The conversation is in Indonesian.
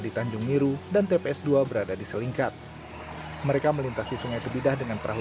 di tanjung miru dan tps dua berada di selingkat mereka melintasi sungai tebidah dengan perahu